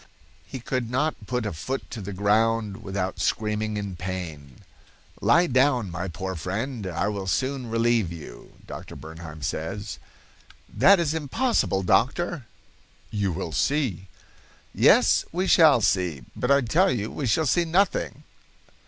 "He could not put a foot to the ground without screaming with pain. 'Lie down, my poor friend; I will soon relieve you.' Dr. Bernheim says. 'That is impossible, doctor.' 'You will see.' 'Yes, we shall see, but I tell you, we shall see nothing!